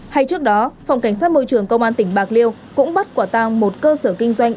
hay trước đó phòng cảnh sát môi trường công an tỉnh bạc liêu cũng bắt quả tang một cơ sở kinh doanh